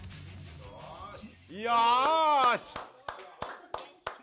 よし！